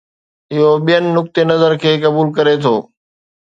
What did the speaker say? اهو ٻين نقطي نظر کي قبول ڪري ٿو.